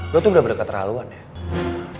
lo tuh udah berdekat raluan ya